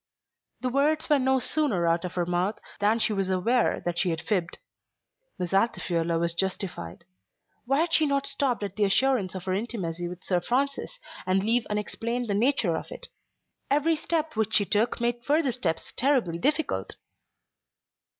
The words were no sooner out of her mouth than she was aware that she had fibbed. Miss Altifiorla was justified. Why had she not stopped at the assurance of her intimacy with Sir Francis, and leave unexplained the nature of it? Every step which she took made further steps terribly difficult!